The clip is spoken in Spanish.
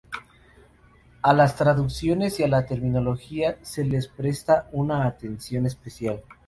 A las traducciones y a la terminología se les presta una atención especial.